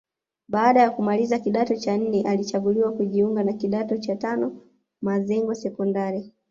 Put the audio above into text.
Baada ya kumaliza kidato cha nne alichaguliwa kujiunga na kidato cha tano Mazengo Sekondari